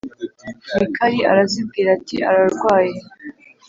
Mikali arazibwira ati “Ararwaye.”